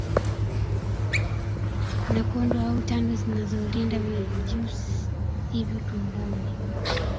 na kondo au tando zinazolinda vijusi hivyo tumboni